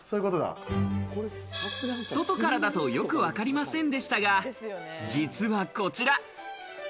外からだとよくわかりませんでしたが、実はこちら。